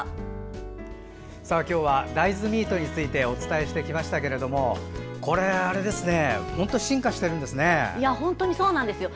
今日は、大豆ミートについてお伝えしてきましたけれども本当進化してるんですね。